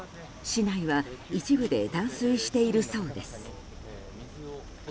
市内は、一部で断水しているそうです。